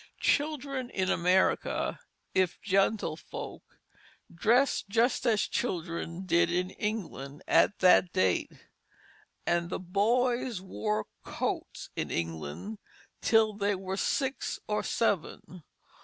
Children in America, if gentlefolk, dressed just as children did in England at that date; and boys wore "coats" in England till they were six or seven.